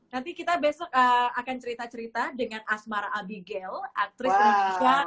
nanti kita besok akan cerita cerita dengan asmara abigail aktris indonesia